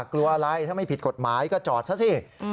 กลัวอะไรถ้าไม่ผิดกฎหมายก็จอดซะสิ